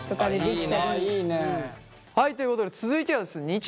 はいということで続いてはですね